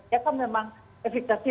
ya kan memang efekasi